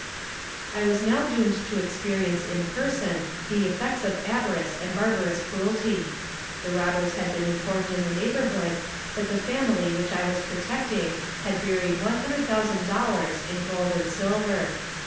"I was now doomed to experience in person the effects of avarice and barbarous cruelty. The robbers had been informed in the neighborhood that the family which I was protecting had buried one hundred thousand dollars in gold and silver.